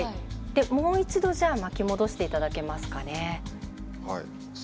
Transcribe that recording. もう一度巻き戻していただけますかね。